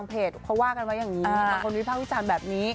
เพราะว่ากันไว้อย่างนี้มีคนวิธีภาพผู้จังแบบนี้